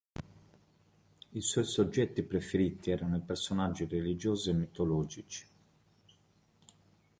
I suoi soggetti preferiti erano i personaggi religiosi e mitologici.